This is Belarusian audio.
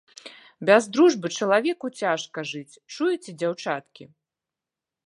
Без дружбы чалавеку цяжка жыць, чуеце, дзяўчаткі?